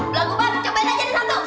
belagu mbak cobain aja deh satu